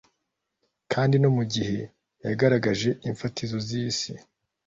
Kandi no mu gihe yagaragaje imfatiro zisi